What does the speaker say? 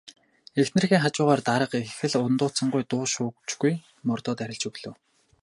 Эхнэрийнхээ хажуугаар дарга их л ундууцангуй дуу шуу ч үгүй мордоод арилж өглөө.